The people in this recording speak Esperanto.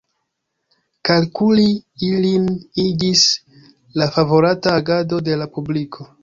Kalkuli ilin iĝis la favorata agado de la publiko.